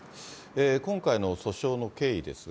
今回の訴訟の経緯ですが。